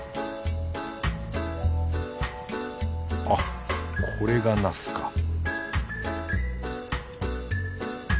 あっこれが茄子か